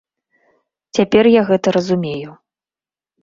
Цяпер я гэта разумею.